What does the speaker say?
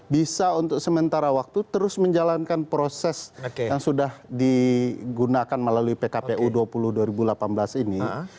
bisa untuk sementara waktu terus menjalankan proses yang sudah digunakan melalui pkpu dua puluh dua ribu delapan belas ini